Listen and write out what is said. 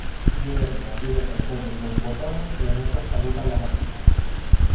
Jerry aprieta todos los botones y en eso saluda a la gatita.